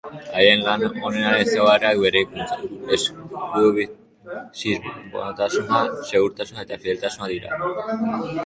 Haien lan onaren ezaugarriak berrikuntza, esklusibotasuna, segurtasuna eta fideltasuna dira.